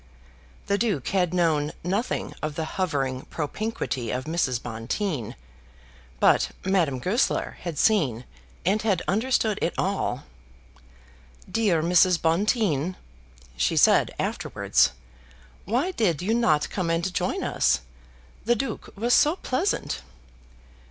The Duke had known nothing of the hovering propinquity of Mrs. Bonteen, but Madame Goesler had seen and had understood it all. "Dear Mrs. Bonteen," she said afterwards, "why did you not come and join us? The Duke was so pleasant."